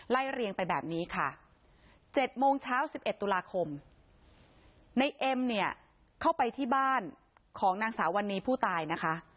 เรียงไปแบบนี้ค่ะ๗โมงเช้า๑๑ตุลาคมในเอ็มเนี่ยเข้าไปที่บ้านของนางสาววันนี้ผู้ตายนะคะ